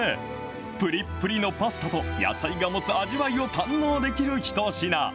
ぷりっぷりのパスタと、野菜が持つ味わいを堪能できる一品。